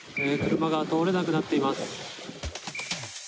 車が通れなくなっています。